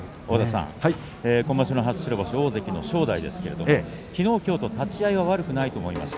今場所初白星、大関の正代ですがきのう、きょう立ち合い悪くないと思う。